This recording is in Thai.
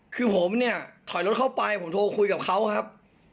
คือผมเนี่ยถอยรถเข้าไปผมโทรคุยกับเขาครับ